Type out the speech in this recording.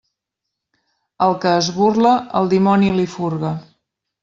Al que es burla, el dimoni li furga.